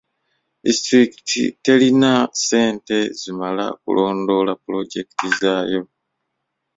Disitulikiti telina ssente zimala kulondoola pulojekiti zaayo.